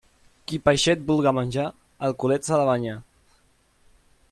Qui peixet vulga menjar, el culet s'ha de banyar.